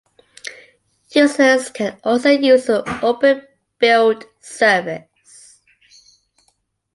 Users can also use the Open Build Service.